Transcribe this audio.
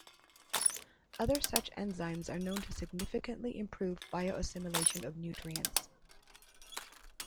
Other such enzymes are known to significantly improve bio-assimilation of nutrients.